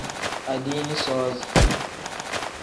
Adiini soozi.